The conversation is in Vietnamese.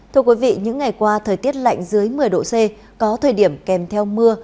thưa quý vị những ngày qua thời tiết lạnh dưới một mươi độ c có thời điểm kèm theo mưa